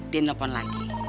dia telepon lagi